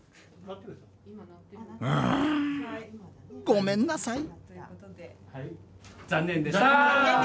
ごめんなさい